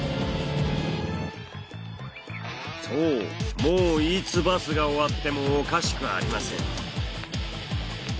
そうもういつバスが終わってもおかしくありません。